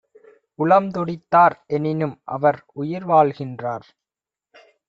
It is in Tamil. உளம்துடித்தார்; எனினும்அவர் உயிர்வாழ்கின்றார்.